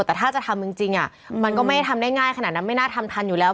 แต่ถ้าจะทำจริงมันก็ไม่ได้ทำได้ง่ายขนาดนั้นไม่น่าทำทันอยู่แล้ว